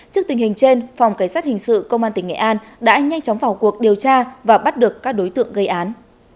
trước tình hình trên phòng cảnh sát hình sự công an tỉnh nghệ an đã nhanh chóng vào cuộc điều tra và bắt được các đối tượng gây án